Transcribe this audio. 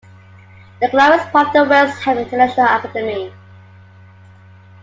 The club is part of the West Ham International Academy.